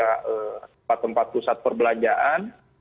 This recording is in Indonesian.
tempat tempat pusat perbelanjaan